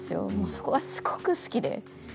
そこがすごく好きで。